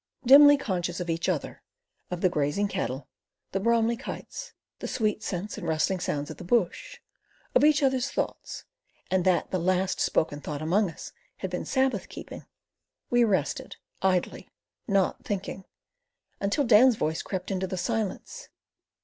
Dimly conscious of each other, of the grazing cattle the Bromli kites, the sweet scents and rustling sounds of the bush, of each other's thoughts and that the last spoken thought among us had been Sabbath keeping, we rested, idly, NOT thinking, until Dan's voice crept into the silence.